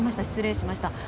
失礼しました。